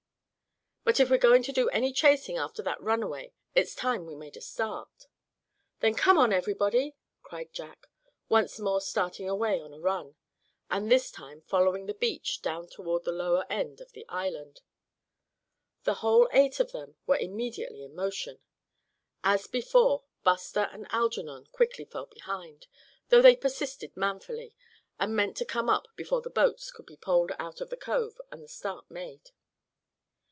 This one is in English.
But if we're going to do any chasing after that runaway it's time we made a start." "Then come on, everybody!" cried Jack, once more starting away on a run, and this time following the beach down toward the lower end of the island. The whole eight of them were immediately in motion. As before, Buster and Algernon quickly fell behind, though they persisted manfully, and meant to come up before the boats could be poled out of the cove and the start made.